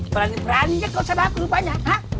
berani beraninya kau sama aku rupanya ha